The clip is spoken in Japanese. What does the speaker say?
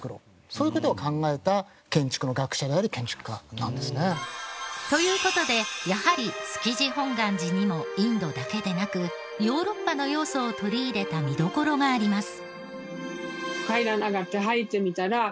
そういう事を考えた建築の学者であり建築家なんですね。という事でやはり築地本願寺にもインドだけでなくヨーロッパの要素を取り入れた見どころがあります。